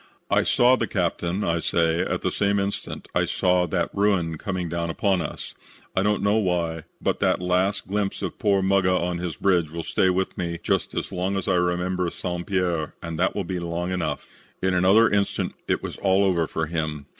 "I saw the captain, I say, at the same instant I saw that ruin coming down on us. I don't know why, but that last glimpse of poor Muggah on his bridge will stay with me just as long as I remember St. Pierre and that will be long enough. "In another instant it was all over for him.